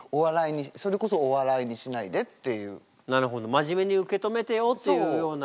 真面目に受け止めてよっていうような。